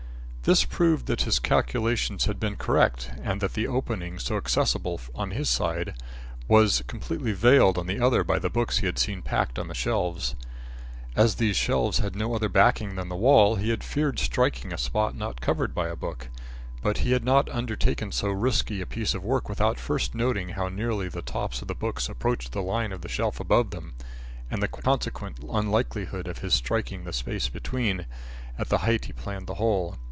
This proved that his calculations had been correct and that the opening so accessible on his side, was completely veiled on the other by the books he had seen packed on the shelves. As these shelves had no other backing than the wall, he had feared striking a spot not covered by a book. But he had not undertaken so risky a piece of work without first noting how nearly the tops of the books approached the line of the shelf above them, and the consequent unlikelihood of his striking the space between, at the height he planned the hole.